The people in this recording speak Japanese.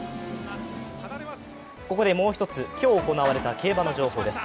ここでもう一つ、今日行われた競馬の情報です。